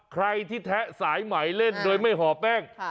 ใครที่แทะสายใหม่เล่นโดยไม่ห่อแป้ง